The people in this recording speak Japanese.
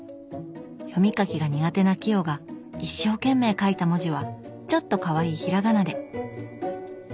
読み書きが苦手な清が一生懸命書いた文字はちょっとかわいい平仮名で。